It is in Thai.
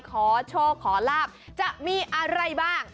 ขอโชคขอลาบจะมีอะไรบ้าง